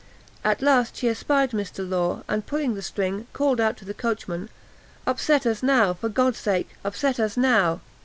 At last she espied Mr. Law, and, pulling the string, called out to the coachman, "Upset us now! for God's sake, upset us now!"